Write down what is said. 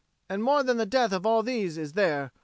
And more than the death of all these is there.